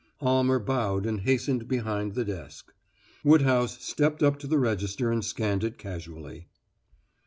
Almer bowed and hastened behind the desk. Woodhouse stepped up to the register and scanned it casually.